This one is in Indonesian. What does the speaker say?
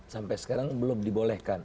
sampai sekarang belum dibolehkan